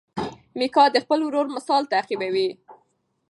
میکا د خپل ورور مثال تعقیبوي.